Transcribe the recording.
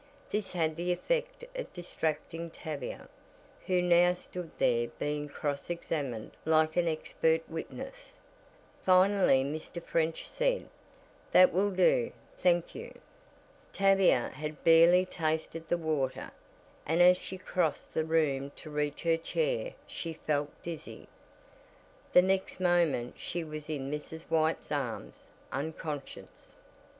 This had the effect of distracting Tavia, who now stood there being cross examined like an expert witness. Finally Mr. French said: "That will do, thank you." Tavia had barely tasted the water, and as she crossed the room to reach her chair, she felt dizzy. The next moment she was in Mrs. White's arms, unconscious.